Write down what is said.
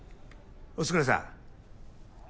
お疲れさん。